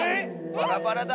バラバラだ。